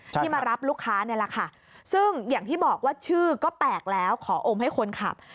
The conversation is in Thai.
ที่มารับลูกค้านี่แหละค่ะซึ่งอย่างที่บอกว่าชื่อก็แปลกแล้วขออมให้คนขับ